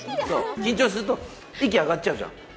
緊張すると、息使っちゃうじゃん。